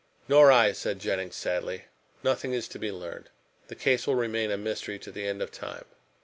"Nor I," said Jennings sadly, "nothing is to be learned. The case will remain a mystery to the end of time."